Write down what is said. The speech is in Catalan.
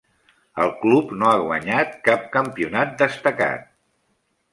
El club no ha guanyat cap campionat destacat.